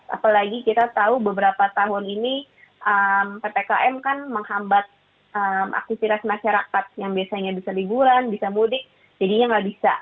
apalagi kita tahu beberapa tahun ini ppkm kan menghambat aktivitas masyarakat yang biasanya bisa liburan bisa mudik jadinya nggak bisa